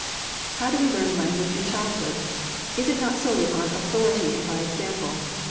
How do we learn language in childhood? Is it not solely on authority and by example?